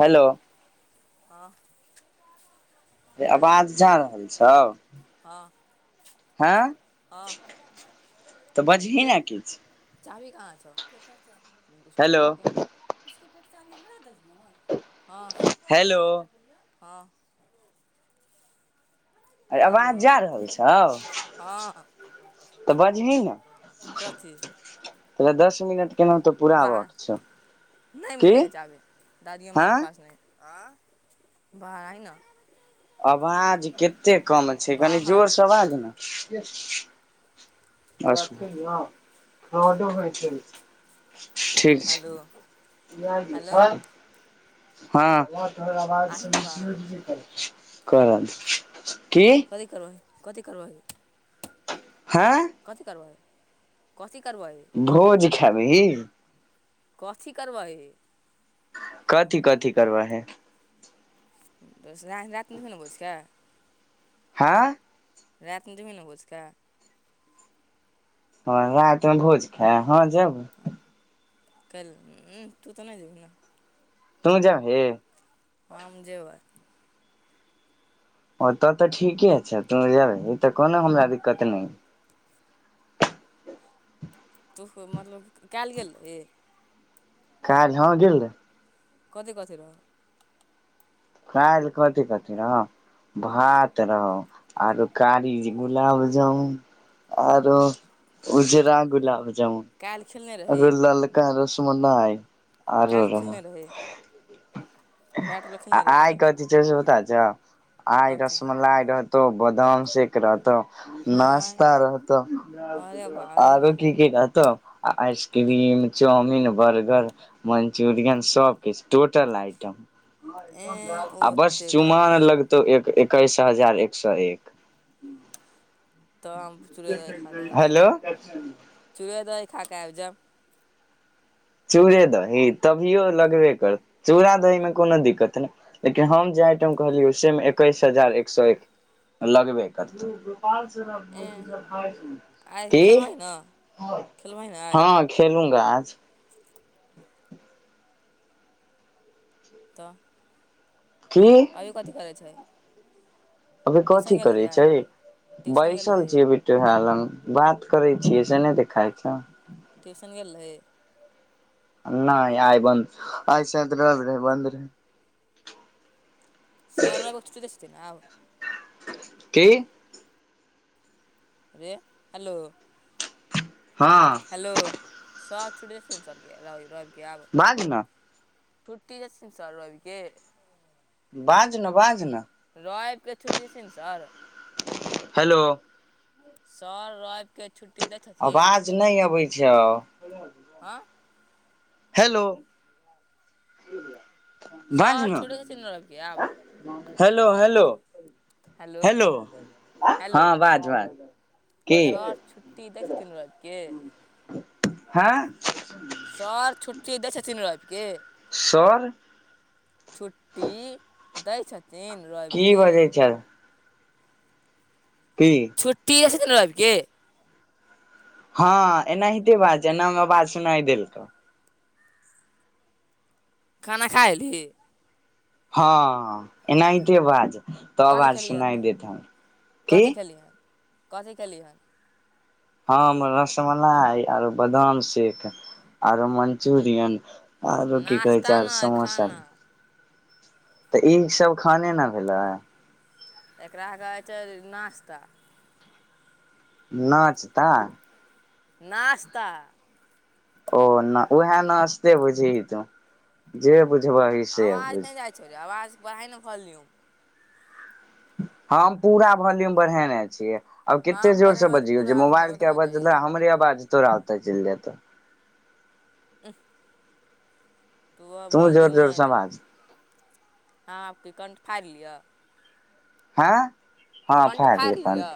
hello ह रे आवाज जा रहल छौ हँ ह तऽ बजही ने किछ चाभी कहाँ छौ केकड़ चाभी स्कूल हेलो पर के स्कूल के चाभी हमरा देलन्हि हन ह एको पैसा हेलो नहि याद आबै यै ह अरे हेलो आवाज जा रहल छौ हँ तऽ बजही ने कथी तोरा दस मिनट केनाहुतो बाहर पूराबक छौ नहि की मिलै यै चाही दादी अम्मा हँ के पास नहि है आं बाहर आहीं ने आवाज कतेक कम छै कनी बाहर जोरसे बाज ने एगो बात कहियो ओटो मे ठीक हेलो झा जी हेलो छल हाँ आही ने बाहर [unintelligible] कथी करबही कथी करबही हँ कथी करबही की करबही खेबिही कथी करबही कथि कथि करवही दस रात रातिमे ने भोज खैऽ हाँ रातिमे जेबही ने भोज खाय हाँ रातमे भोज खाय हाँ जैब काल्हि तू तऽ नहि जेबही ने तूं जा ही हम जेबै ओ तब तऽ ठीके छै तू जेबही तऽ कोनो हमरा दिक्कत नहि तू मतलब कयल गेल रही काज हाँ गेल रहय कथी कथी रहो काल्हि कथी कथी रहौ भात रहौ आरो कारी गुलाब जामुन आरो उजरा गुलाब जामुन काल्हि खेलने रही आरो ललका रसमलाई आरो काल्हि रहौ खेलने रही बैट बॉल आ खेलने रही आइ काल्हि कथी छै से पता छउ आइ कथी रसमलाई रह तो बादाम सेक रहतो आँय नास्ता रहतो अरे वाह अरे आरो वाह कि कि रहतो आ आइसक्रीम चाउमिन बर्गर मन्चूरियन सबकिछ टोटल आइटम एँ ओ आ बस ओते करै चुमान छै लगतौ एक एक्कैस हजार एक सौ एक तऽ हम चूरे दही खा कऽ आबि हेलो जायब चूरे दही खा कऽ आब जायब चूड़े दही तभियो लगबे करत चूड़ा दहीमे कोनो दिक्कत नइ लेकिन हम जे आइटम कहलियै से मे एक्कैस हजार एक सौ एक लगबे करतै एँ आइ [unintelligible] कि खेलबही ने खेलबही ने आइ हाँ खेलूगा आज तऽ की आइयो कथी करै छै अभी ट्यूशन कथी गेल करे रही आइ छै ट्यूशन गेल बैसल रही छिये बिटू भइया लग बात करै छियै से नइ देखाई छै ट्यूशन गेल रही नहि आइ बन्द आइ शाइद रइब रहे बन्द रहै सर रइब क छुटी दई छथिन आब [unintelligible] कि रे हेलो हँ हेलो सर छुटी दइ छथिन सर रइब के बाज न छुट्टी दै छथिन सार रइब के बाज न बाज न रविके छुट्टी देथिन सर हेलो सर रविके छुट्टी दै छथिन आवाज नहि अबै छै हँ हेलो बाज सर न छुटै छथिन रविके आब हेलो हेलो हेलो हेलो हँ बाज बाज की सर छुट्टी दै छथिन रवि के हँ सर छुट्टी दै छथिन रवि के सर छुट्टी दैइ छथिन रवि की के बजै छ की छुट्टी दइ छथिन रवि के हँ एनाहिते बाज एनामे आवाज सुनाइ देलकौ खाना खा ऐल्ही हँ एनाहिते बाज तऽ कथी आबज खेलियै हन सुनाइ तऽ देतो हन की कथी खेलियै हन कथी केलिय हन हँ रसमलाई आरो बदाम सेेख आरो मंचुरियन आरो की कहै नाश्ता छै आर नहि समोसा खाना तऽ ई सभ खाने न भेलै एकरा कहइ छै नाश्ता नाचता नाश्ता ओ न उहे नसते बुझही तू जे बु आवाज नइ जाइ छौ रे आवाज बरहाई न भौलयुम हम पूरा भोल्यूम बढ़ेने छियै आब कते हम जोर से बढ़ेबै तऽ बजियौ जे पूरा मोबाइल देखैत के आवाज रहियै हमरे आवाज तोरा ओते चइल जेतउ उह तू जोर जोर सँ दे बाज हँ आब की कण्ठ फाड़ि लिअ हँ हँ कण्ठ फार लै फाड़ि लिअ कण्ठ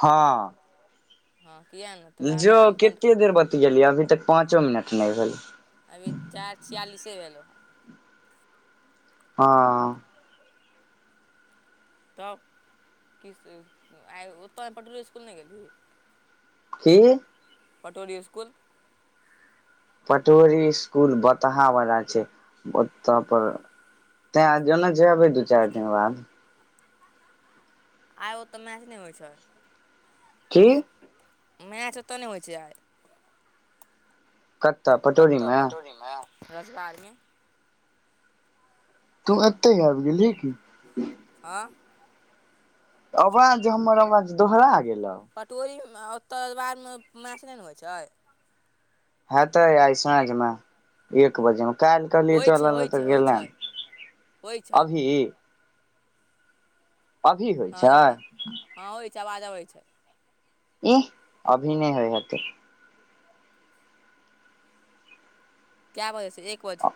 हँ हँ किएक नहि तोरा जो कारण कण्ठ कते देर बतियैलही अभी तक पाँचो मिनट नइ भेल अभी चारि छियालिसे भेलौ ह हँ तब किस आइ ओतय पटौरी स्कूल नहि गेलही की पटौरी स्कूल पटोरी स्कूल बताहा बला छै ओत पर तै आजो ने छैय भै दू चार दिन बाद आइ ओतऽ मैच नहि होइ छै की मैच ओतऽ नइ होइ छै आइ कतऽ पटोरी कतअ मे पटोरी मे रसगार मे तू एतहि आबि गेलही की हँ आवाज जे हमर आवाज दोहरा गेलहु पटोरीमे ओतऽ ओइ बाध मे मैछ नहि ने होइ छै हेतै आइ सांझमे एक बजे मे काल्हि कहलियै होइ छै चल होइ छै तऽ होइ छै गेलनि होइ छै अबही अभी होइ हँ छै देखी हँ होइ आवाज अबै छै इह अभि नहि होय होतय कै बजे सँ एक बजे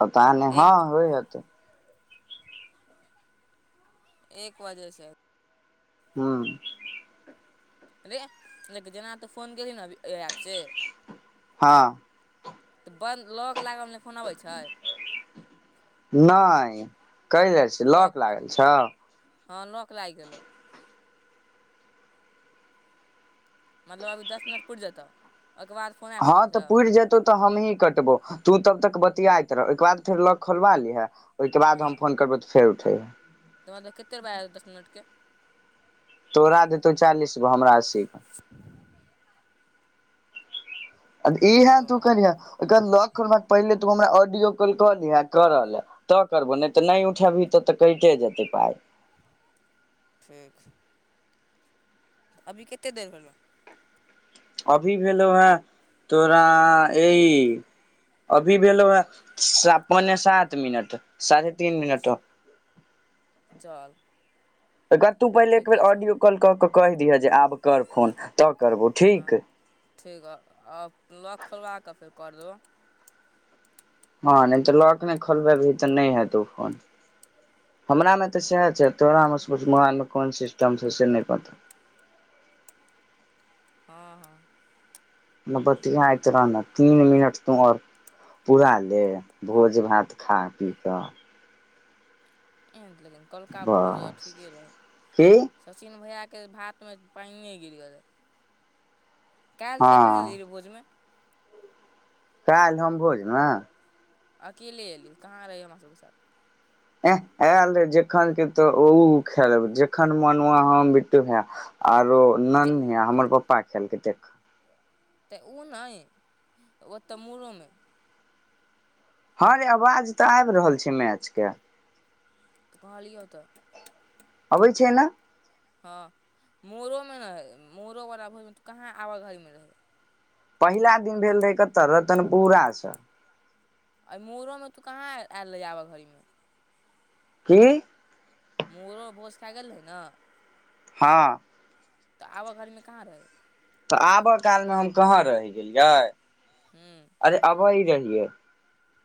पता नहि हँ एक होइ होतै एक बजे सँ हूँ अरे जेना तू फोन केलही न अभी ऐ ऐप से हँ तऽ बन्द लौक लागलमे नहि फोन अबै छै नहि कहि जाइ छै लॉक लागल छौ हँ लौक लागि गेलौ मतलब अब दस मिनट पूुर जतौ हँ तऽ पुरि जतौ तऽ हमही कटबो तू तब तक बतियाइत रह एक बाद फेर लॉक खोलबा लीहे ओहिके बाद हम फोन करबै तऽ फेर उठैहइ त कतेपाय आय दस मिनट के तोरा देतौ चालीस गो हमरा अस्सी गो ओ इहे तू करीह ओइके बाद लौक पहिले तू हमरा ऑडियो कॉल कऽ लीहें कर ले तऽ करबो नहि तऽ नहि उठेबी तऽ तऽ कटियो जेतै पाय ठीक अभी कते देर भेलो अभी भेलो हँ तोरा ई अभी भेलो ह पौने सात मिनट साढ़े तीन मिनट [inaudible] चल कतहुँ पहिले एक बेर ठीके छौ ऑडियो कॉल कऽ कहि दिहऽ जे आब कर फोन तऽ करबौ हँ ठीक ठीक हइ आ लॉक खोलवा कऽ फेर कर देबो हँ नहि तऽ लॉक नहि खोलबैबही तऽ नहि हेतौ फोन हमरामे तऽ सएह छै तोरामे सुच मोबालमे कोन सिस्टम छै से नहि पता [inaudible] हँ हँ [inaudible] न बतियाइत रह न तीन मिनट तू आओर पूरा ले भोज भात खा पी कऽ लेकिन कौलका भोज बस ठीके रहै की सचिन भैया के के भातमे पाइने गिर गेलै कल तू कखैन एलही हँ रे भोजमे काल्हि हम भोजमे अकेले अयली कहाँ रहै हमरा सबके साथ ऐंह आयल रहिऐ जेखन के तो ओख जेखन मन हम बिट्टू भैया आरो जे नन्ही आ हमर पापा खेलकै तखन तऽ ओ नहि ओतऽ मूरोमे हँ रे आवाज तऽ आबि रहल छै मैचके कहाँलियौ तऽ अबय छियै न हँ मोरोमे ने रहै मोरोबला भोरिमे तू कहाँ आबय घड़ीमे रहै पहिला दिन भेल रहै कतऽ' रतनपुरा सँ आ मोरोमे तू कहाँ आयल रही आबऽ घड़ीमे की मोरो मे' भोज खाए गेल रही न हँ तऽ आबऽ घड़ीमे कहाँ रही तऽ आबऽ कालमे हम कहाँ रहि गेलियै हूँ वहीं रहियै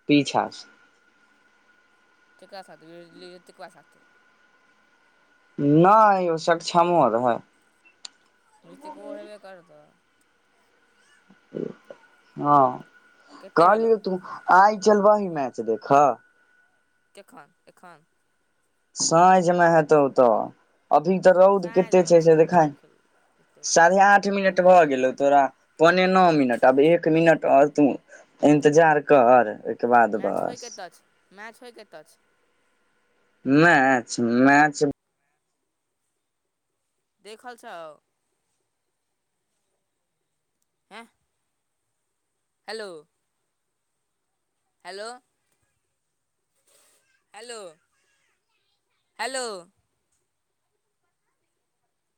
पीछा सँ केकरा साथे जेकरा साथे गेलही रहे तेकरा साथे नै ओ सक्षमो रहै रितिकबो हेबे करतौ हँ कतेक भेलौ कहलियौ तू आइ चलबहीं मैच देखऽ केखन एखन साँझमे हेतौ तऽ अभी तऽ रौद कत्ते साँझमे छै से साँझमे देखाइ हम खेलबै साढ़े आठ एतेक दू मिनट बजे भऽ चलबै गेलौ चल तोरा पौने नओ मिनट आब एक मिनट आओर तू इन्तजार कर ओइ के बाद मैच होइ बस कतऽ छै मैच होइ कतऽ छै मैच मैच देखल छौ ऐंह hello hello hello hello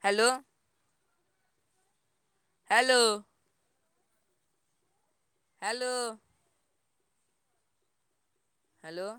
hello hello hello hello